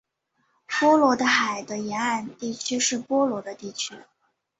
波罗的海的沿岸地区是波罗的地区。